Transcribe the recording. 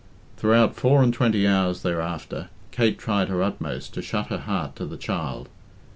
Throughout four and twenty hours thereafter, Kate tried her utmost to shut her heart to the child.